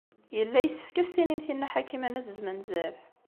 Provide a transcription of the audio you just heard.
Yella yessefk ad as-tinimt i Nna Ḥakima n At Zmenzer.